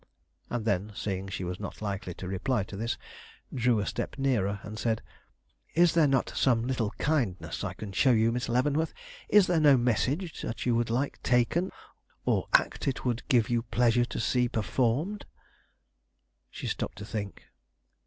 And then, seeing she was not likely to reply to this, drew a step nearer and said: "Is there not some little kindness I can show you, Miss Leavenworth? Is there no message you would like taken, or act it would give you pleasure to see performed?" She stopped to think.